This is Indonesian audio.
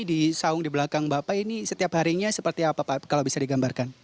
di saung di belakang bapak ini setiap harinya seperti apa pak kalau bisa digambarkan